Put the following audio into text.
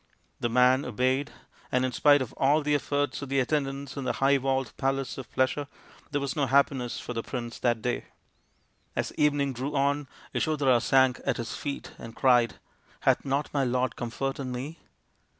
The man obeyed, and in spite of all the efforts of the attendants in the high walled palace of pleasure there was no happiness for the prince that day/ As evening drew on Yasodhara sank at his feet and cried, " Hath not my lord comfort in me